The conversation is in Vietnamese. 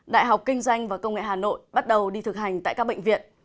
đại học kinh doanh và công nghệ hà nội bắt đầu đi thực hành tại các bệnh viện